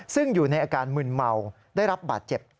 ซึ่งอยู่ในอาการมึนเมาได้รับบาดเจ็บ